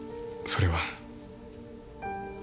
それは。